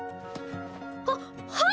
ははい！